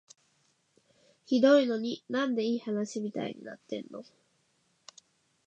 ひどいのに、なんでいい話みたいになってんの？